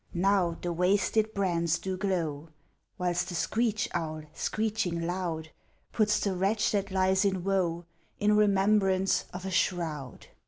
Now the wasted brands do glow, Whilst the screech owl, screeching loud, Puts the wretch that lies in woe In remembrance of a shroud.